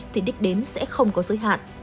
thì đích đến sẽ không có giới hạn